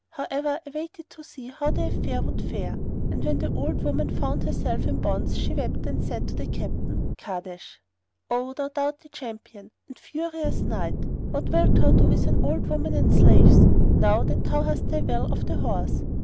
However, I waited to see how the affair would fare, and when the old woman found herself in bonds, she wept and said to the captain, Kahrdash, 'O thou doughty Champion and furious Knight, what wilt thou do with an old woman and slaves, now that thou hast thy will of the horse?'